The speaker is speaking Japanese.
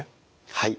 はい。